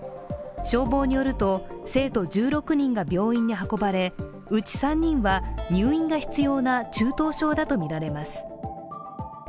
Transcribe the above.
消防によると生徒１６人が病院に運ばれうち３人は入院が必要な中等症だとみられます。